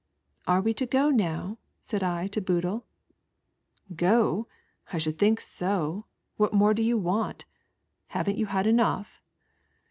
"Are we to go now?" said I to Boodle. "Go? I should think so. What more do you 24 ONLY A GHOST. want? Haven't you had enough?"